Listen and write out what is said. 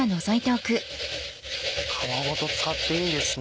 皮ごと使っていいんですね。